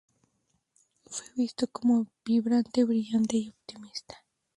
Fue visto como vibrante, brillante, y optimista.